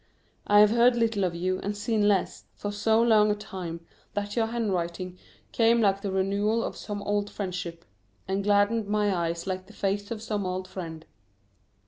I have heard little of you, and seen less, for so long a time, that your handwriting came like the renewal of some old friendship, and gladdened my eyes like the face of some old friend.